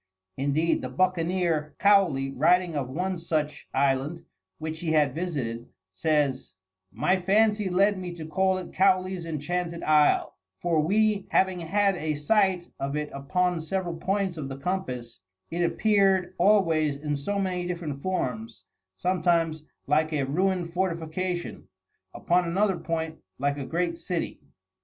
Indeed the buccaneer, Cowley, writing of one such island which he had visited, says: "My fancy led me to call it Cowley's Enchanted Isle, for we having had a sight of it upon several points of the compass, it appeared always in so many different forms; sometimes like a ruined fortification; upon another point like a great city."